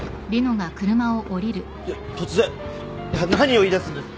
いや突然何を言いだすんです？